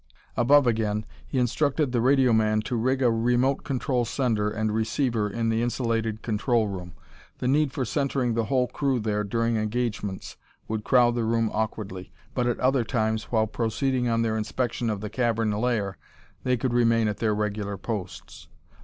Above again, he instructed the radio man to rig a remote control sender and receiver in the insulated control room. The need for centering the whole crew there during engagements would crowd the room awkwardly, but at other times, while proceeding on their inspection of the cavern lair, they could remain at their regular posts.